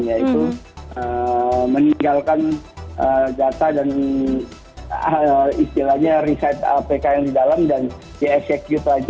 yaitu meninggalkan data dan istilahnya riset apk yang di dalam dan dieksekut lagi